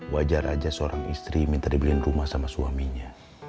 wajar aja seorang istri minta dibeliin rumah sama suaminya